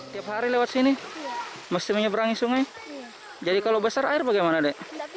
kalau begini tidak basah ini